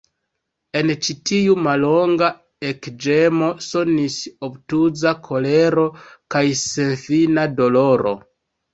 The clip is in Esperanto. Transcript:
En ĉi tiu mallonga ekĝemo sonis obtuza kolero kaj senfina doloro.